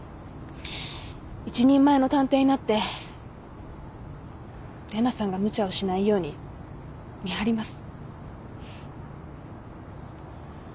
一人前の探偵になって玲奈さんが無茶をしないように見張ります。